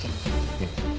うん。